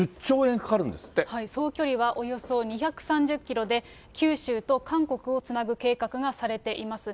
総距離はおよそ２３０キロで、九州と韓国をつなぐ計画がされています。